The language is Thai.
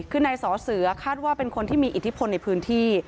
คือนายสอเสือคาดว่าเป็นคนที่มีอิทธิพลในพื้นที่